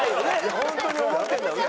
ホントに思ってるんだもんね。